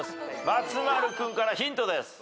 松丸君からヒントです。